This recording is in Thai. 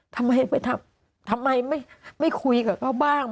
ทำไมไปทำทำไมไม่คุยกับเขาบ้าง